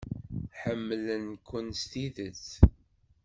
Ḥemmlent-ken s tidet.